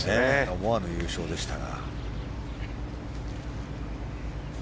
思わぬ優勝でしたが。